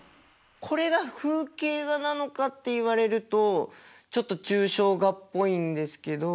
これが風景画なのかって言われるとちょっと抽象画っぽいんですけど。